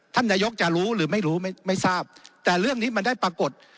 ท่านนายกจะรู้หรือไม่รู้ไม่ทราบแต่เรื่องนี้มันได้ปรากฏ